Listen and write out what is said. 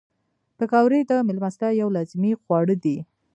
پکورې د میلمستیا یو لازمي خواړه دي